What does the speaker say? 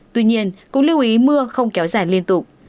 tuy nhiên cũng lưu ý mưa không kéo dài liên tục